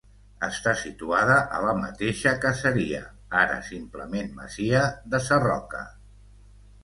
Està situada a la mateixa caseria, ara simplement masia, de Sarroca.